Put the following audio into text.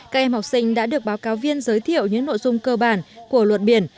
các em học sinh đã được báo cáo viên giới thiệu những nội dung cơ bản của luật biển